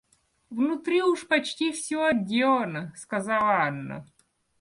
Внутри уж почти всё отделано, — сказала Анна.